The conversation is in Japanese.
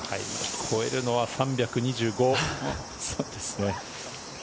越えるのは３２５。